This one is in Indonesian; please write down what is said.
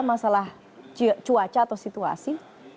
masalah cuaca atau situasi